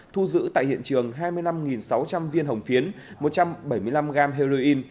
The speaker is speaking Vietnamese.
thu giữ tại hiện trường hai mươi năm sáu trăm linh viên hồng phiến một trăm bảy mươi năm gram heroin